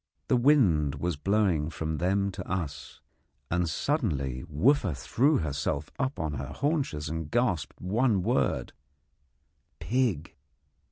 The wind was blowing from them to us, and suddenly Wooffa threw herself up on her haunches and gasped one word 'Pig!'